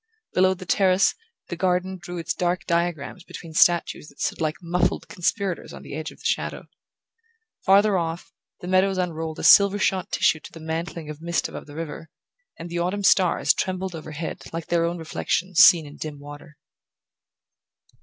Below the terrace, the garden drew its dark diagrams between statues that stood like muffled conspirators on the edge of the shadow. Farther off, the meadows unrolled a silver shot tissue to the mantling of mist above the river; and the autumn stars trembled overhead like their own reflections seen in dim water.